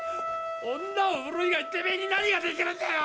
女を売る以外にてめえに何ができるんだよ